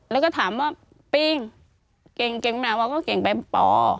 แล้วก็ถามว่าปิ้งเก่งหนาวก็เก่งไปป่อ